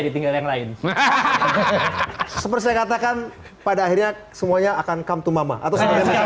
ditinggal yang lain seperti saya katakan pada akhirnya semuanya akan come to mama atau